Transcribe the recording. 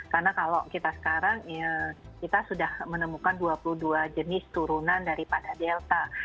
karena kalau kita sekarang kita sudah menemukan dua puluh dua jenis turunan daripada delta